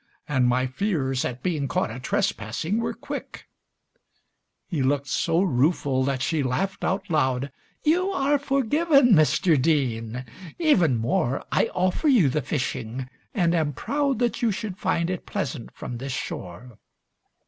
And my fears At being caught a trespassing were quick." XIV He looked so rueful that she laughed out loud. "You are forgiven, Mr. Deane. Even more, I offer you the fishing, and am proud That you should find it pleasant from this shore.